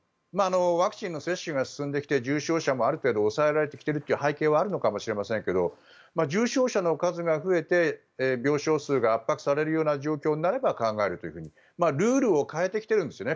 ワクチンの接種が進んできて重症者もある程度抑えられてきているという背景はあるのかもしれませんけど重症者の数が増えて病床数が圧迫されるような状況になれば考えるというふうにルールを変えてきているんですね。